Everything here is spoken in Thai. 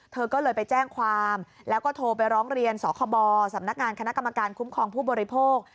เธอก็เลยไปแจ้งความแล้วก็โทรไปร้องเรียนสคบสำนักงานคณะกรรมการคุ้มครองผู้บริโภค